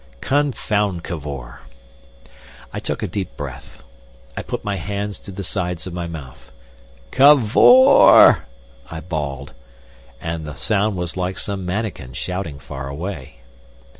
Confound Cavor! I took a deep breath. I put my hands to the sides of my mouth. "Cavor!" I bawled, and the sound was like some manikin shouting far away.